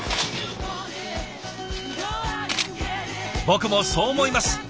僕もそう思います。